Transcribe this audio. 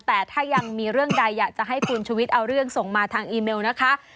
แต่ถ้ายังมีเรื่องใดอยากจะให้คุณชุวิตเอาเรื่องส่งมาทางอีเมลนะคะ